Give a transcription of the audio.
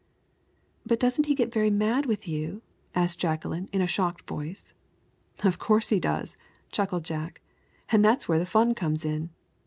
"But doesn't he get very mad with you?" asked Jacqueline in a shocked voice. "Of course he does," chuckled Jack; "and that's where the fun comes in.